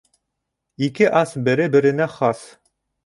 Ике ас бере-беренә хас.